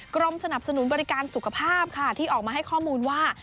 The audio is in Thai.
กรมสนับสนุนบริการสุขภาพค่ะที่ออกมาให้ข้อมูลว่า